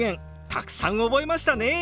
たくさん覚えましたね！